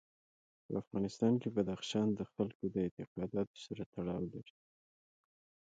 په افغانستان کې بدخشان د خلکو د اعتقاداتو سره تړاو لري.